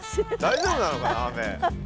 大丈夫なのかな雨。